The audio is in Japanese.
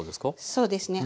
そうですね。